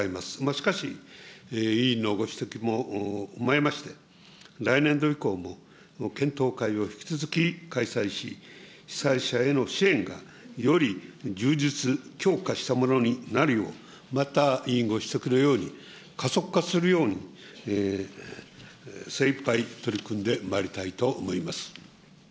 しかし、委員のご指摘も踏まえ、来年度以降も、検討会を引き続き開催し、被災者への支援がより充実、強化したものになるよう、また委員ご指摘のように、加速化するように精いっぱい取り組んでまいりたいと思います。